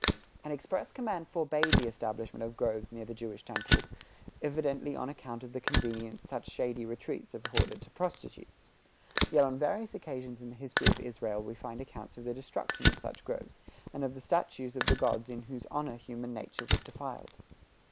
An express command forbade the establishment of groves near the Jewish temples, evidently on account of the convenience such shady retreats afforded to prostitutes. Yet on various occasions in the history of Israel we find accounts of the destruction of such groves, and of the statues of the gods in whose honor human nature was defiled.